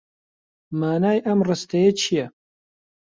مانای ئەم ڕستەیە چییە؟